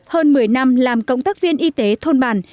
hơn một mươi năm làm cộng tác viên y tế thôn bàn